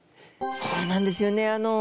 そうなんですよね